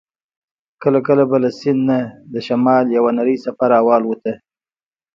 کله کله به له سیند نه د شمال یوه نرۍ څپه را الوته.